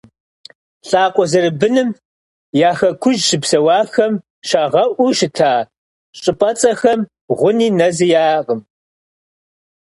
Лӏакъуэ зэрыбыным я Хэкужь щыпсэуахэм щагъэӏуу щыта щӏыпӏэцӏэхэм гъуни нэзи яӏэкъым.